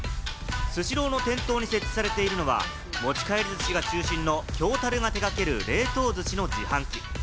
スシローの店頭に設置されているのは持ち帰り寿司が中心の京樽が手掛ける冷凍鮨の自販機。